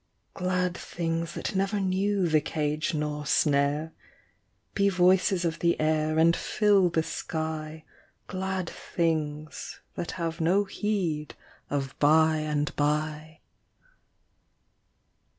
Glad things that never knew the cage nor snare : Be voices of the air, and fill the sky, Glad things that have no heed of by and by.